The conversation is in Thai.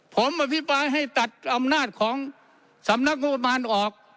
ผมพิปรายให้ตัดอำนาจของสำนักงบบันออก